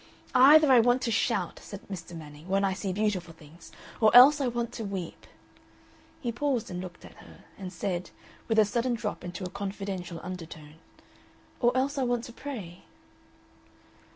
"Either I want to shout," said Mr. Manning, "when I see beautiful things, or else I want to weep." He paused and looked at her, and said, with a sudden drop into a confidential undertone, "Or else I want to pray."